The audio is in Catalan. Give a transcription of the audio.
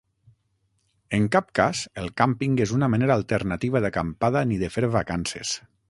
En cap cas el càmping és una manera alternativa d'acampada ni de fer vacances.